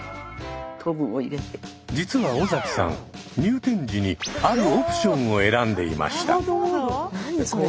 実は尾崎さん入店時にあるオプションを選んでいました。